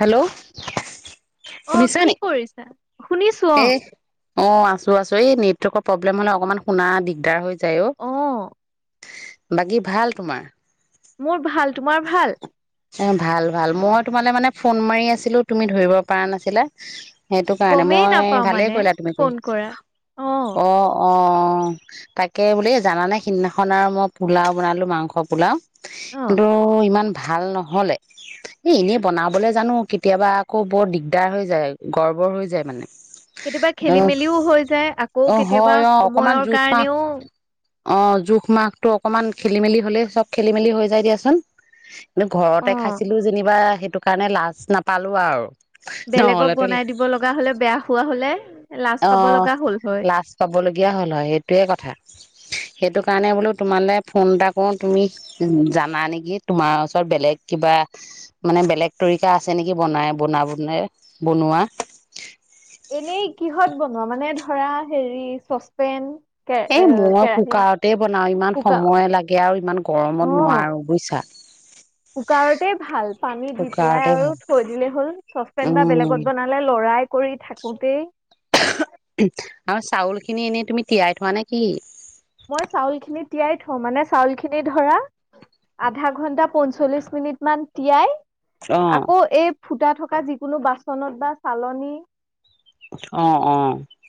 Hello অ শুনিছা কি নেকি কৰিছা শুনিছো অ এ অ আছো আছো এই ন নেৰ্কৰ প্ৰব্ম হ'লে অকণমান শুনা দিগদাৰ হৈ যাই অ। বাকী ভাল তোমাৰ? মোৰ ভাল, তোমাৰ ভাল? এ ভাল ভাল মই তোমালে মানে ফোন মাৰি আছিলো তুমি ধৰিব পৰা নাছিলা সেইটো কাৰণে গমেই মই নাপাও ভালেই মানে কৰিলা তুমি কৰি ফোন কৰা অ, অ। তাকে বোলে জানাানে সিদিনাখন আৰু মই পোলাও বনালো মাংস পোলাও। অ কিন্তু ইমান ভাল নহয়। নহলে এ এনেই বনাবলে জানো কেতিয়াবা আকৌ বৰ দিগদাৰ হৈ যায় গৰ্বৰ হৈ যায় মানে। কেতিয়াবা অ খেলি মেলিও হৈ যায় আকৌ অ কেতিয়াবা হয় অ অকমান সময়ৰ জোখ মাখ কাৰণেও অ জোখ মাখটো অকমান খেলি মেলি হ'লেই চব খেলি মেলি হৈ যায় দিয়াচোন কিন্তু ঘৰত অ তাতে খাইছিলো যেনিবা সেইটো কাৰণে লাজ নাপালো আৰু বেলেগক নহলেতো বনাই দিব লগা হলে বেয়া হোৱা হলে। লাজ অ পাব লগা হ'ল হয় লাজ পাবলগীয়া হ'ল হয় সেইটয়ে কথা। সেইটো কাৰণে বোলো তোমালৈ ফোন এটা কৰো তুমি জানা নেকি তোমাৰ ওচৰত বেলেগ কিবা মানে বেলেগ তৰিকা আছে নেকি বনাই বনাব বনোৱা। এনেই কিহত বনোৱা মানে ধৰা হেৰি চচপেন কে এ মই কেৰাহী কুকাৰতে বনাও ইমান কুকাৰ সময় লাগে আৰু ইমান অ গৰমত নোৱাৰো বুজিছা। কুকাৰতে ভাল পানী দি পেলাই কুকাৰতে আৰু ভাল থৈ দিলে হ'ল চচপেনটা উম বেলেগত বনালে লৰাই কৰি থাকোতেই। চাউলখিনি এনেই তুমি তিয়াই থোৱা নে কি? মই চাউল খিনি তিয়াই থওঁ মানে চাউলখিনি ধৰা আধা ঘণ্টা পঞ্চল্লিশ মিনিট মান তিয়াই অ আকৌ এই ফুটা থকা যিকোনো বাস্তু বাচনত বা চালনী অ অ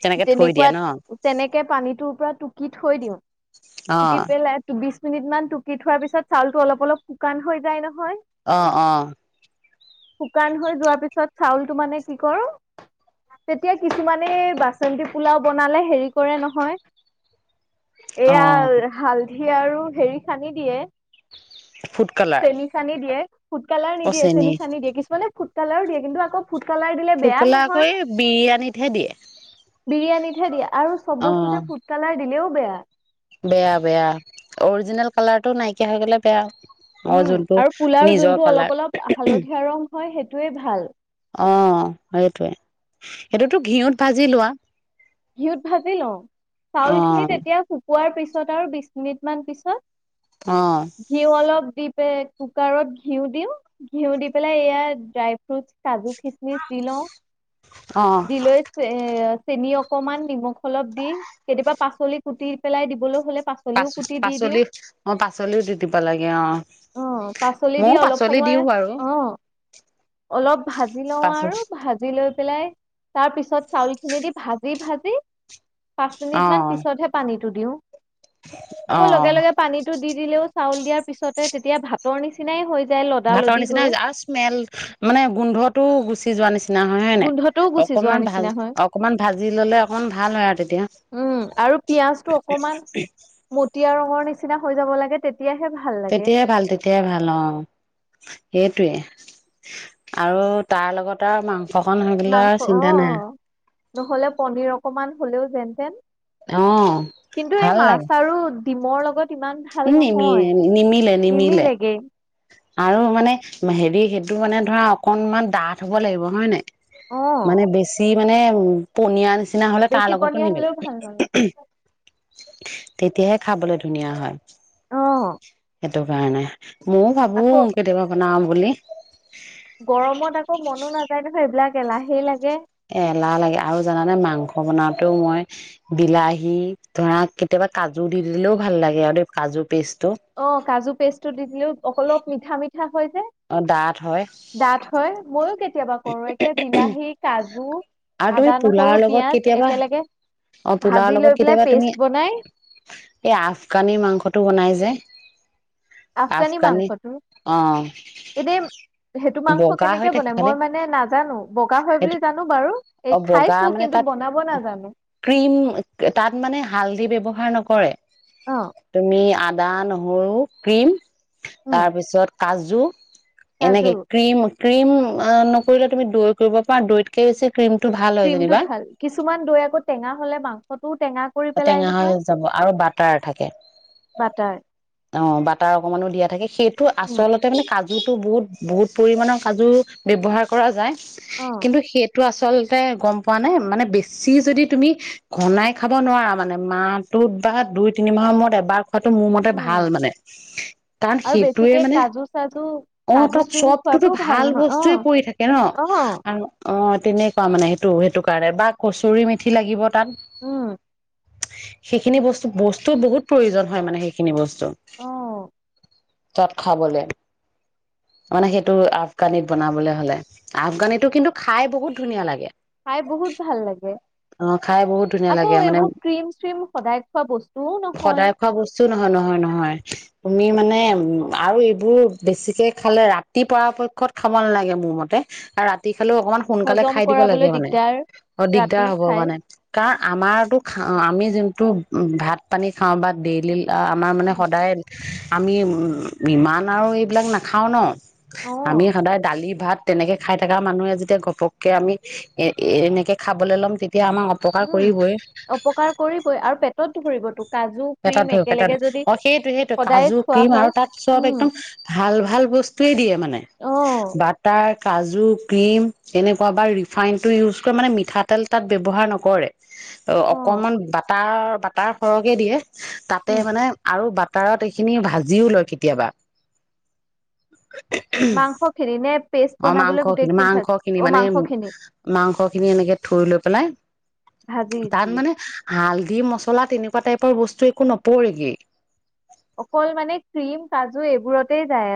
তেনেকে থৈ দিয়া তেনেকুৱাত ন? তেনেকে পানীটোৰ পৰা টুকি থৈ দিওঁ। অ সি পেলাই ত বি কেইমিনিটমান টুকি থোৱাৰ পিছত চাউলটো অল অলপ শুকান হৈ যায় নহয়। আহ আহ শুকান হৈ যোৱাৰ পিছত চাউলটো মানে কি কৰো তেতিয়া কিছুমানে বাচন্তি পোলাও বনালে হেৰি কৰে নহয়। অ এয়া হাল সি আৰু হেৰি খান্দি দিয়ে। ফুড কালাৰ চেনি শানি দিয়ে। ফুট কালাৰ নিদিয়ে চেনি শানি দিয়ে কিছুমানে ফুতকালেও দিয়ে কিন্তু আকৌ ফুড কালাৰ দিলে ফুড বেয়া কালাৰ আকৌ নহয় এই বিৰিয়ানীতহে দিয়ে। বিৰিয়ানীতহে দিয়া। আৰু চব অ বস্তুতে ফুড কালাৰ দিলেওঁ বেয়া। বেয়া বেয়া। অৰিজিনেল কালাৰটো নাইকিয়া হৈ গ'লে বেয়া। অ', উম যোনটো আৰু পোলাওৰ নিজৰ যোনটো অলপ কালাৰ অলপ ম ম ম। হালধীয়া ৰং হয় সেইটোৱে ভাল অ', সেইটোৱে। সেইটোতো ঘিউত ভাজি লোৱা? ঘিউত ভাজি লওঁ। অ চাউল খিনি তেতিয়া সু কোৱাৰ পিছত আৰু বিশ মিনিটমান পিছত অ ঘি অলপ দি পে কুকাৰত ঘিউ দিওঁ। ঘিউ দি পেলাই এয়া ড্ৰাই ফ্ৰুট কাজু কিসমিস দি লওঁ। অ দি লৈ চে এই চেনি অক কনমান নিমখ অলপ দি, কেতিয়াবা পাচলি কুটি পেলাই দিবলৈ হ'লে পা পাচলিও কুটি দি দিওঁ পাচলি, অ পাচলিও দি দিব লাগে, অহ। অ পাচলি দি ময়ো অলপ পাচলি সময় দিওঁ বাৰু। অ অলপ ভাজি লওঁ আৰু পাচ- ভাজি লৈ পেলাই, তাৰ পিছত চাউল খিনি দি ভা যি ভাজি পাঁচ মিনিট অ মান পিছতহে পানী টো দিওঁ। আকৌ অ লগে লগে পানীতটো দি দিলেওঁ, চাউল দিয়াৰ পিছতে তেতিয়া ভাতৰ নিচিনাই হৈ যায় লদা লদি ভাতৰ নিচিনা হৈ যায়। আৰু স্মেল মানে গোন্ধটো গুচি যোৱা নিচ চিনা হয়, হয় নে নাই? গোন্ধটোও গুচি যোৱাৰ অকনমান ভাজ, নিচিনা হয় অকনমান ভাজি ললে, অকমান ভাল হয় আৰু তেতিয়া। হম ম উম আৰু পিয়াজটো অকমান ম ম। মটীয়া ৰঙৰ নিচিনা হৈ যাব লাগে তে তেতিয়াই ভাল, তেতিয়াই ভাল, অ'। সেইটোৱে। আৰু তাৰ লগত আৰু মাং মাংস অ। নহ'লে পনীৰ অক কনমান হ'লেও যেন তেন। অ', ভাল লাগে। মোৰ লগত ইমান ম ভাল নিমি নহয় নিমিলে নিমিলে। নিমিলেগে আৰু মানে ম হেৰি সেইটো মানে ধৰা, অকনমান ডাঠ হ'ব লাগিব হয় নাই? অ', মানে বেছি মানে ম পনীয়া নিচ চিনা হ'লে তাৰ বেছি লগতো পনীয়া নিমিলে। হ'লেও ম ভাল ম নালাগে ম ম। তেতিয়াহে খাবলৈ ধুনীয়া হয়। অ', এটো কাৰণে ময়ো ভাবো আকৌ কেতিয়াবা বনাম বুলি গৰমত আকৌ মনো নাযায় নহয় এইবিলাক এলাহেই লাগে। এ এলাহ লাগে আৰু জানানে মাংস বনাওতেও মই বিলাহী ধৰা কেতিয়াবা কাজু দি দিলেও ভাল লাগে আৰু দ কাজু পেষ্ট অ কাজু পেষ্টটো দি দিলেও অলপ মিঠা মিঠা হয়। অ ডাঠ হয় দাঁত হয় ময়ো কেতিয়া আৰু আদা তুমি নহৰু পোলাৰ লগত পিয়াজ কেতিয়াবা একেলগে অ পোলাাৰ ভাজি লৈ লগত পেলাই কেতিয়াবা পেষ্ট তুমি বনাই এই আফগানি মাংসটো বনাই যে আফগানি মাংসটো অ এদেই সেইটো মাংস বগা হৈ কেনেকে থাকে বনাই খালি মই মানে মানে নাজানো বগা হয় বুলি সেইটো জানো বাৰু এই অ বগা খাইছো মানে কিন্তু তাত বনাব নাজানো। ক্ৰীম তাত মানে হালধি ব্যৱহাৰ নকৰে। অ তুমি আ দা নহৰু ক্ৰীম উম তাৰ পিছত কাজু কাজু এনেকে ক্ৰীম ক্ৰীম কৰিলে তুমি দৈ কৰিব পাৰা দৈতকে বেছি ক্ৰীমটো ভাল হয় ক্ৰীমটো যেনিবা ভাল কিছুমান দৈ আকৌ টেঙা হ'লে মাং ফটো টেঙা হৈ যাব আৰু বাটাৰ থাকে। বাটাৰ অ বাটাৰ অকমানো দিয়া থাকে। সেইটো উম আচলতে মানে কাজ কাজুতো বহুত বহুত পৰিমামানৰ কাজু ব্যবহাৰ কৰা যায়। অ কিন্তু সেই টো আচলতে গম পোৱা নাই মানে বেছি যদি তুমি ঘনাই খা খাব নোৱাৰা মানে মাহটোত বা দুই তিনিমাহৰ মূৰত এবাৰ টো মোৰ মতে ভাল উম মানে কাৰণ তাত আৰু সেইটোৱে বেছিকে মানে কাজু চাজু অ কাজু তাত ক্ৰীম চবটোতো খোৱাটোও ভাল নহয় অ বস্তুৱয়ে পৰি থাকে ন অ আৰু অ তেনেকুৱা মানে সেইটো সেইটো কাৰণে বা কচুৰি মেথি লাগিব। তাত উম সেইখিনি বস্তু বস্তু বহুত প্ৰয়োজন হয় মানে সেইখিনি বস্তু অ তাত খাবলে মানে সেইটো আফগানীক বনাবলৈ হলে আফগানিটো কিন্তু খাই বহুত ধুনীয়া লাগে খাই বহুত ভাল লাগে অ খাই বহুত ধুনীয়া আকৌ লাগে মানে এইবোৰ ক্ৰীম চ্ৰীম সদায় খোৱা বস্তুও নহয় সদায় খোৱা বস্তু নহয় নহয় নহয় তুমি মানে উ আৰু এইবোৰ বেছিকে খালে ৰাতি পৰাপক্ষত খাব নালাগে মোৰ মতে আৰু ৰাতি খালেও অকমান সোনকালে হজম খাই দিব লাগে কৰাবলৈ মানে দিগদাৰ অধিক তেতিয়া ৰাতি হ'ব খাই মানে কাহ আমাৰতো খাওঁ আমি যোনটো ভাত পানী খাওঁ বা ডেইলি আমাৰ মানে উম, সদায় আমি ইমান আৰু এইবিলাক নাখাওঁ ন অ আমি সদায় দালি ভাত তেনেকে খাই থকা মানুহে যেতিয়া ঘপককে আমি এনেকে খাব খাবলে ল'ম উম অপকাৰ কৰিবই আৰু পেটত ধৰিব তোক পেটত ধ পেটাত অ সেইটো সেইটো সদায় কাজু খোৱা ক্ৰীম আৰু হয়। তাত চব উম, একদম ভাল ভাল বস্তুৱয়ে দিয়ে মানে অ', বাটাৰ কাজু ক্ৰীম এনেকুৱা বা ৰিফাইনটো ইউজ কৰে মানে মিঠাতেল তাত ব্যৱহাৰ নকৰে অ', অকণমান বাটাৰ বাটাৰ সৰহকৈ দিয়ে তাতে উম, মানে আৰু বাত তাৰত এইখিনি ভাজিও লয় কেতিয়াবা মাংসখিনি নে পেষ্ট অ বনাবলৈ মাংস খিনি গোটেইখিনি মাংস ভাজি খিনি অ', মানে মাংসখিনি মাংস খিনি এনেকে থুই লৈ পেলাই ভাজি তাত দিয়ে। মানে হাল দি মছলা তেনেকুৱা টাইপৰ বস্তু একো নপৰেগে অকল মানে ক্ৰীম কাজু এইবোৰত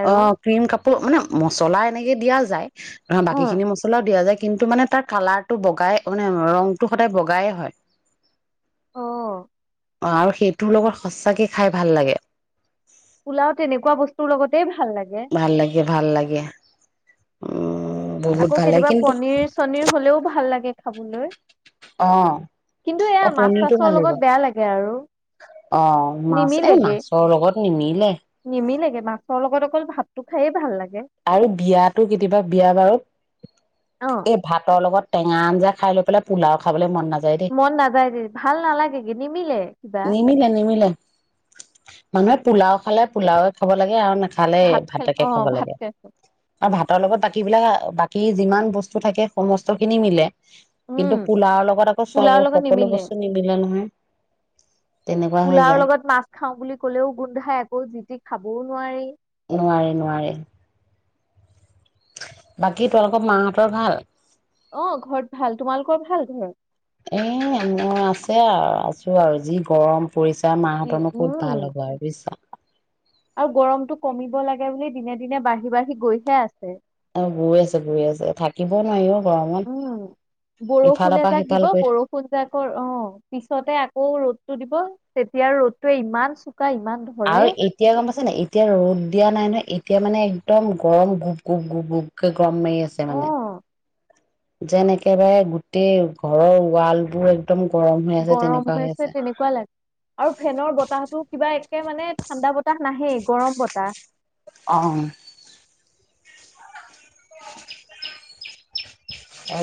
অ ক্ৰীম কাপোৰ মানে মছলা তেনেকে দিয়া যায় ধৰা বাকী অ', খিনি মছলাও দিয়া যায় কিন্তু মানে তাৰ কালাৰটো বগাই মানে ৰংটো সদায় বগাইে হয় অ', আৰু সেইটোৰ লগত সচাকে খাই ভাল লাগে পোলাও তেনেকুৱা বস্তুৰ লগতে ভাল লাগে ভাল লাগে উম বহুত আকৌ ভাল লাগে কেতিয়াবা কিন্তু পনিৰ চনিৰ হলেও ভাল লাগে খাবলৈ অ কিন্তু এয়া অ মাছ পনিৰটো চাছৰ ভাল লগত লাগিব বেয়া লাগে আৰু অ মাছ এ নিমিলেগে। মাছৰ লগত নিমিলে নিমিলেগে মাছৰ লগত অকল ভাতটো খাইে ভাল লাগে আৰু বিয়াতো কেতিয়াবা বিয়া অ'। বাৰুত এই ভাতৰ লগত টেনগা আঞ্জআঁ খায় লৈ পেলে পোলাও খাবলৈ মন যায় মন নাযায় দে ভাল নালাগে কি নিমিলে কিবা নিমিলে নিমিলে মানুহে পোলাও খালে পোলাওয়ে খাব লাগে আৰু না খালে ভাত খাই ভাতকে অ খাব ভাত লাগে খাইছো। আৰু ভাতৰ লগত বাকী বিলাক বাকী যিমান বস্তু থাকে সমস্ত খিনি মিলে উম কিন্তু পোলাওৰ লগত আকৌ চব পোলাওৰ লগত সকলো নিমিলে বস্তু নিমিলে নহয় তেনেকুৱা হৈ পোলাওৰ যায় লগত মাছ খাও বুলি ক'লেও গোন্ধাই আকৌ জিতি খাব বোৰ নোৱাৰি নোৱাৰে নোৱাৰে বাকী তোালোকৰ মাহঁতৰ ভাল অ ঘৰত ভাল তোমালোকৰ ভাল ঘৰত এ মই আছে আৰু আছো আৰু যি গৰম পৰিচাৰ মাহঁতনো ক'ত উম ভাল হ'ব আৰু বুজিছা আৰু গৰমটো কমিব লাগে বুলি দিনে দিনে বাঢ়ি বাঢ়ি গৈহে আছে বৈ আছে বৈ আছে থাকিব নোৱাৰি অ গৰমত উম ইফালৰ বৰষুণে পৰা এজাক সিফাল দিব কৰি থাকে। বৰষুণ জাকৰ অ পিছতে আকৌ ৰ দিব তেতিয়া ৰ'দটোৱে ইমান চো আৰু এতিয়া গম পাইছে ন এতিয়া ৰ'দ দিয়া নাই এতিয়া মানে একদম গৰম গোপ গোপ গুপ গোপকে গৰম মাৰি আছে অ মানে যেন একেবাৰে গোটেই ঘৰৰ ৱালবোৰ গৰম হৈছে তেনেকুৱা লাগে আৰু ফেনৰ বতাহতো কিবা মানে ঠাণ্ডা বতাহ নাহেই গৰম বতাহ অ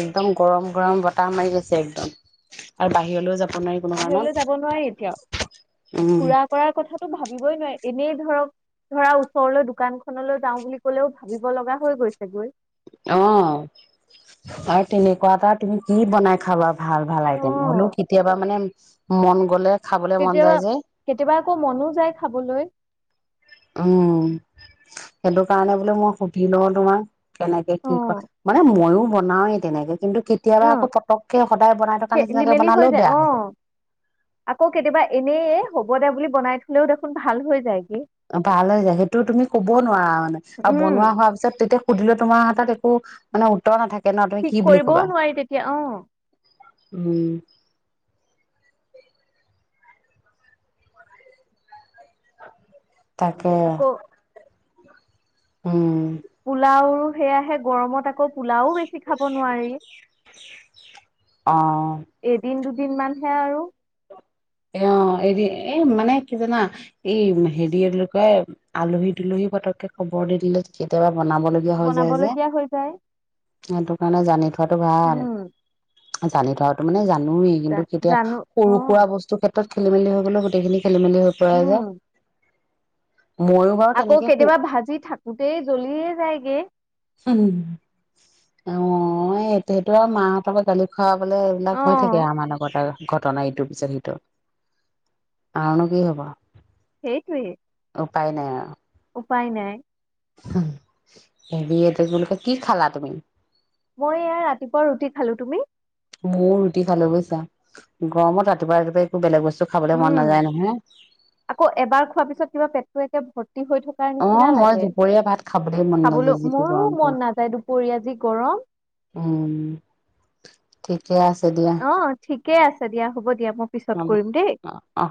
একদম গৰম গৰম বতাহ মাৰি গৈছে একদম আৰু বাহিৰলৈও যাব নোৱাৰি কোনো কাৰণত বাহিৰলৈ যাব নোৱাৰি এতিয়াও উম ফুৰা কৰাৰ কথাটো ভাবি ভাবিবই নোৱাৰি এনেই ধৰক ধৰা ওচৰলৈ দোকানখনলৈ যাও বুলি কলেও ভাবিব লগা হৈ গৈছে গৈ অ আৰু তেনেকুৱা এটা তুমি কি বনাই খাবা ভাল ভাল অ আইটেম হলেও কেতিয়াবা মানে মন গ'লে খাবলে মন যায় কেতিয়াবা যে কেতিয়াবা আকৌ মনো যায় খাবলৈ উম সেইটো কাৰণে বোলোমই সুধি লওঁ তোমাক কেনেকে অ কি ক মানে মইয়ো বনাওৱেই তেনেকে কিন্তু অ কেতিয়াবা আকৌ পতককে সদায় বনাই থকা খেলি নিচিনাকে মেলি বনালেও বেয়া অ হৈ যায় হবদে বুলি বনাই থলেও দেখোন ভাল হৈ যায় ভাল হৈ যায় সেইটো তুমি ক'ব নোৱাৰা মানে আৰু উম বনোৱা হোৱাৰ পিছত তেতিয়া সুধিলে তোমাৰ হাতত একো মানে উত্তৰ নাথাকে ন তুমি কি ঠিক বুলি কৰিবও কবা নোৱাৰি তেতিয়া অ উম [inaudible] তাকে আকৌ উম পোলাও সেয়াহে গৰমত আকৌ পোলাও বেছি খাব নোৱাৰি অ এদিন দুদিন দুদিন মানহে আৰু এ এৰি এ মানে কি জানা এই হেৰি কয় আলহী-দুলহী পতককে খবৰ দি দিলে কেতিয়াবা বনাবলগীয়া হৈ যায় যে বনাবলগীয়া হৈ যায় সেইটো কাৰণে জানো থোৱাটো ভাল উম জানি থোৱাটো মানে জা এনেও এই জা- দিনটোত কেতিয়া জানো অ সৰু-সুৰা বস্তু ক্ষেত্ৰত খেলি মেলি হৈ গ'লো গোটেইখিনি খেলিমেলি হৈ পৰা উম যায় আকৌ কেতিয়াবা ভাজি থাকোতেই জ্বলিয়ে যায়গে উম অ এইটো সেইটো আৰু মাহঁতৰ পৰা গালি খোৱা লে অ এইবিলাক হৈ থাকে আমাৰ লগত আৰু ঘটনা ইটোৰ পিছত সিটোৰ আৰুনো কি হ'ব সেইটোৱে উপায় নাই আৰু উপায় নাই হেৰি এইটো কি বুলি কয় কি খালা তুমি? মই এয়া ৰাতিপুৱা ৰুটি খালো তুমি মও ৰুটি খালো বুজিছা গৰমত ৰাতিপুৱা ৰাতিপুৱাই একো বেলেগ বস্তু খাবলৈ মন উম নাযায় নহয়। আকৌ এবাৰ খোৱাৰ পিছত কিবা পেটটো একে ভৰ্তি ভৰ্ত্তি হৈ থকাৰ নিচিনা অ' মই লাগে দুপৰীয়া ভাত খাবলৈ মন নাযায় খাবলৈ যিটো মোৰো গৰম মন পৰিছে। নাযায় দুপৰীয়া যি গৰম ঠিক ঠিকেই আছে দিয়া কে আছে দিয়া হ'ব এতিয়া মই পিছত অ', কৰিম দেই অ', অ'।